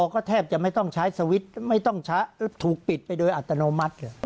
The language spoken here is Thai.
ก็แทบจะไม่ต้องใช้สวิตช์ไม่ต้องใช้ถูกปิดไปโดยอัตโนมัติเลย